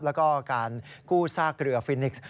แล้วก็การกู้ซากเรือฟินิกส์